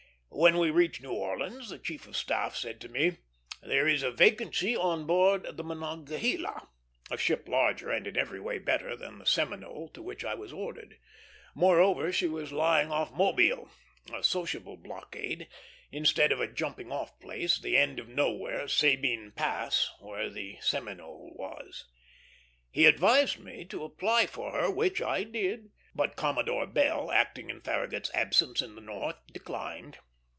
When we reached New Orleans the chief of staff said to me, "There is a vacancy on board the Monongahela," a ship larger and in every way better than the Seminole to which I was ordered; moreover, she was lying off Mobile, a sociable blockade, instead of at a jumping off place, the end of nowhere, Sabine Pass, where the Seminole was. He advised me to apply for her, which I did; but Commodore Bell, acting in Farragut's absence in the North, declined.